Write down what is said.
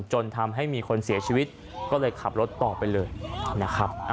จนทำให้มีคนเสียชีวิตก็เลยขับรถต่อไปเลยนะครับ